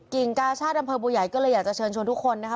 กาชาติอำเภอบัวใหญ่ก็เลยอยากจะเชิญชวนทุกคนนะคะ